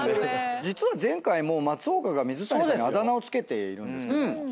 実は前回松岡が水谷さんにあだ名を付けているんですけども。